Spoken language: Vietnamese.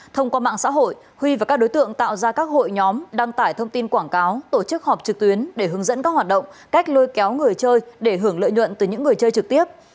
thông qua mạng xã hội huy và các đối tượng tạo ra các hội nhóm đăng tải thông tin quảng cáo tổ chức họp trực tuyến để hướng dẫn các hoạt động cách lôi kéo người chơi để hưởng lợi nhuận từ những người chơi trực tiếp